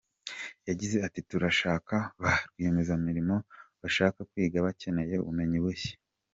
Yagize ati “Turashaka ba rwiyemezamirimo bashaka kwiga bakeneye ubumenyi bushya.